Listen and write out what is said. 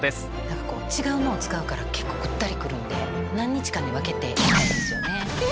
何かこう違う脳を使うから結構ぐったりくるので何日かに分けて行きたいんですよね。